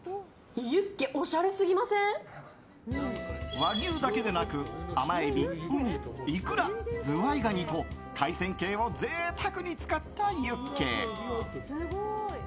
和牛だけでなく甘エビ、ウニ、イクラズワイガニと海鮮系をぜいたくに使ったユッケ。